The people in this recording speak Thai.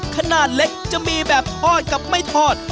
ขนาดเล็กจะมีแบบทอดกับไม่ทอด